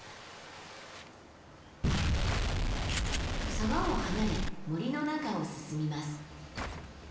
沢を離れ森の中を進みます。